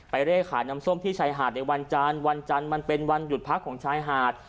เร่ขายน้ำส้มที่ชายหาดในวันจันทร์วันจันทร์มันเป็นวันหยุดพักของชายหาด